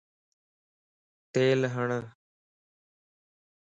تيل ھڻ